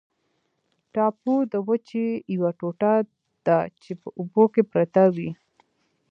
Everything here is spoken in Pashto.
ټاپو د وچې یوه ټوټه ده چې په اوبو کې پرته وي.